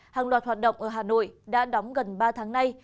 hàng loạt hoạt động ở hà nội đã đóng gần ba tháng nay